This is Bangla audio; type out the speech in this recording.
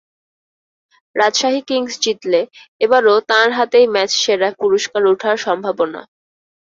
রাজশাহী কিংস জিতলে এবারও তাঁর হাতেই ম্যাচ সেরা পুরস্কার ওঠার সম্ভাবনা।